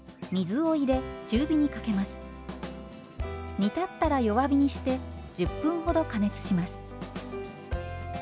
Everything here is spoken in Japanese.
煮立ったら弱火にして１０分ほど加熱します。